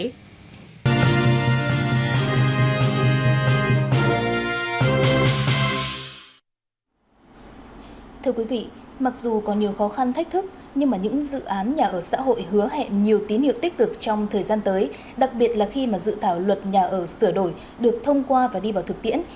thưa quý vị mặc dù còn nhiều khó khăn thách thức nhưng những dự án nhà ở xã hội hứa hẹn nhiều tín hiệu tích cực trong thời gian tới đặc biệt là khi mà dự thảo luật nhà ở sửa đổi được thông qua và đi vào thực tiễn